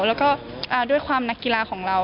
แล้วก็ด้วยความนักกีฬาของเรา